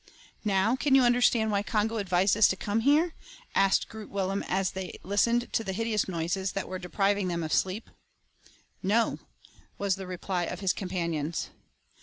"Now, can you understand why Congo advised us to come here?" asked Groot Willem, as they listened to the hideous noises that were depriving them of sleep. "No," was the reply of his companions.